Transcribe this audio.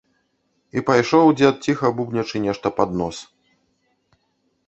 І пайшоў дзед, ціха бубнячы нешта пад нос.